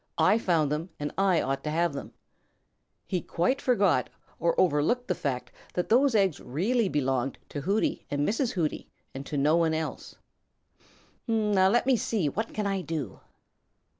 I found them, and I ought to have them." He quite forgot or overlooked the fact that those eggs really belonged to Hooty and Mrs. Hooty and to no one else. "Now let me see, what can I do?"